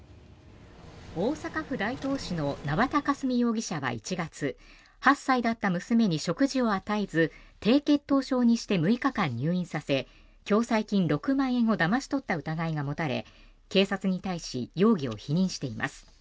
大阪府大東市の縄田佳純容疑者は１月８歳だった娘に食事を与えず低血糖症にして６日間入院させ共済金６万円をだまし取った疑いが持たれ警察に対し容疑を否認しています。